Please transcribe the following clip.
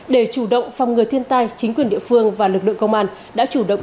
để chủ động phòng ngừa thiên tai chính quyền địa phương và lực lượng công an đã chủ động